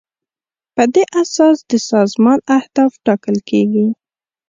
په دې اساس د سازمان اهداف ټاکل کیږي.